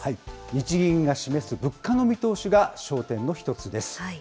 日銀が示す物価の見通しが焦点の一つです。